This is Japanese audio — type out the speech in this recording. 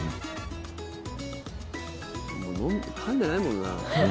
もう、かんでないもんな。